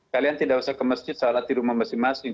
kalian tidak usah ke masjid sholat di rumah masing masing